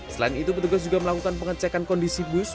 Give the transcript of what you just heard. selain itu petugas juga melakukan pengecekan kondisi bus